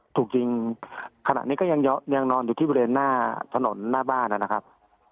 ถูกยิงขณะนี้ก็ยังนอนอยู่ที่บริเวณหน้าถนนหน้าบ้านนะครับ